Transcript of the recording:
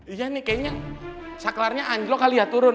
iya nih kayaknya saklarnya anjlok kali ya turun